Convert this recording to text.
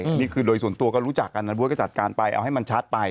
อันนี้คือโดยส่วนตัวก็รู้จักกันนะบ๊วก็จัดการไปเอาให้มันชัดไป